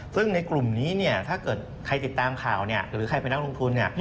ซึ่งในกลุ่มนี้ถ้าเกิดใครติดตามข่าวหรือใครเป็นนักลงทุน